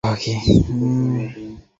এই নিরর্থক মিশন থামাও, মোসেস।